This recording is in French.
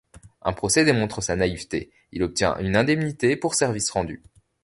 Un procès démontre sa naïveté, il obtient une indemnité pour services rendus.